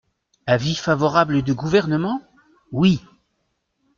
Avis favorable du Gouvernement ? Oui.